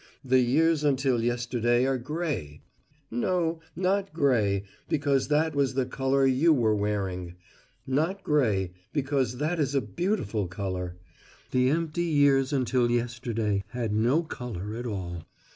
The years until yesterday are gray no, not gray, because that was the colour You were wearing not gray, because that is a beautiful colour. The empty years until yesterday had no colour at all.